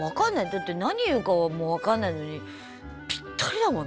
だって何言うかも分かんないのにピッタリだもんね。